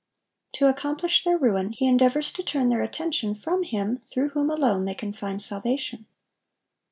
To accomplish their ruin, he endeavors to turn their attention from Him through whom alone they can find salvation.